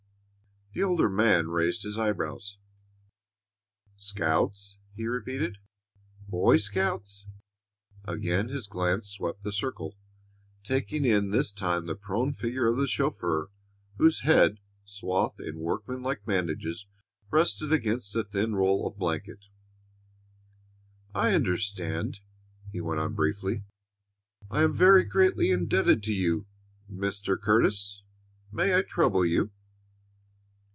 The older man raised his eyebrows. "Scouts!" he repeated. "Boy Scouts?" Again his glance swept the circle, taking in this time the prone figure of the chauffeur, whose head, swathed in workmanlike bandages, rested against a thin roll of blanket. "I understand," he went on briefly. "I am very greatly indebted to you, Mr. Curtis. May I trouble you?"